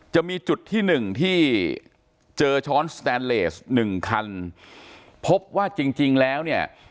จะมีจุดที่หนึ่งที่เจอช้อนสแตนเลสหนึ่งคันพบว่าจริงจริงแล้วเนี่ย